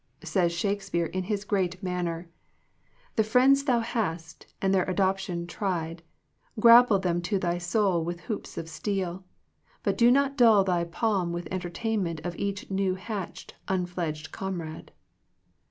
Says Shakespeare in his great manner, —The friends thou hast and their adoption trled^ Grapple them to thy soul with hoops of sted, But do not dull thy palm with entertainment Of each new hatched, unfledged comrade.'